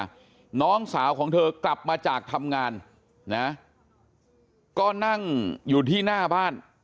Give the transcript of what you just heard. น้องสาวของเธอกลับมาจากทำงานนะก็นั่งอยู่ที่หน้าบ้าน